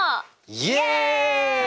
イエイ！